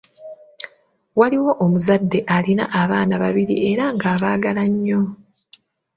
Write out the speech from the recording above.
Waaliwo omuzadde alina abaana babiri era ng'abaagala nnyo.